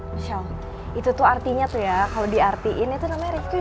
michelle itu tuh artinya tuh ya kalo diartiin itu namanya rifqi gak mau komunikasi sama lo